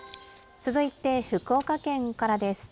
続いて福岡県からです。